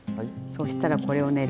そしたらこれをね